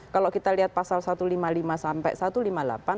kalau kita lihat pasal satu ratus lima puluh lima sampai satu ratus lima puluh delapan